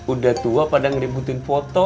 udah tua pada ngeributin foto